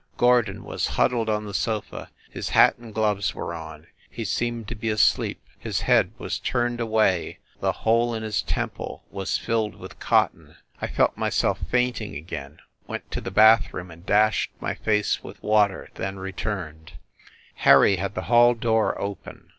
... Gordon was huddled on the sofa, his hat and gloves were on ... he seemed to be asleep ... his head was turned away ... the hole in his temple was filled with cotton. ... I felt myself fainting again, went to the bath room and dashed my face with water, then returned. ... Harry had the hall door open.